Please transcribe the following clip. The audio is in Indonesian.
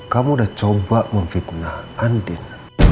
kamu udah coba memfitnah andin